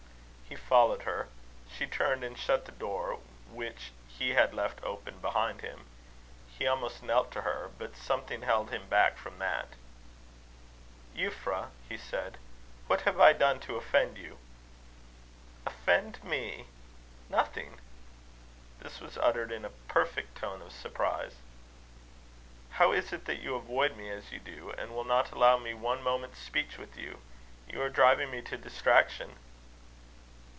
He followed her. She turned and shut the door, which he had left open behind him. He almost knelt to her; but something held him back from that. "Euphra," he said, "what have I done to offend you?" "Offend me! Nothing." This was uttered in a perfect tone of surprise. "How is it that you avoid me as you do, and will not allow me one moment's speech with you? You are driving me to distraction."